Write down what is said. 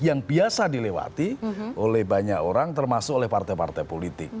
yang biasa dilewati oleh banyak orang termasuk oleh partai partai politik